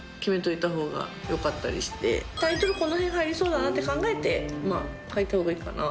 この辺入りそうだなって考えて、描いたほうがいいかな。